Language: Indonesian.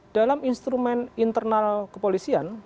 dalam instrumen internal kepolisian